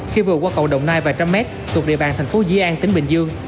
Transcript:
khi vừa qua cầu đồng nai vài trăm mét tục địa bàn tp di an tỉnh bình dương